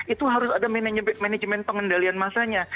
itu harus ada manajemen pengendalian masanya